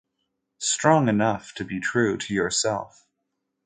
Strong enough to be true to yourself.